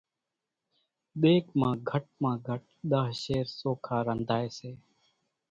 ۮيڳ مان گھٽ مان گھٽ ۮۿ شير سوکا رنڌائيَ سي۔